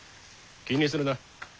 気にするな。